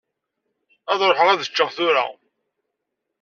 Ad ruḥeɣ ad ččeɣ tura.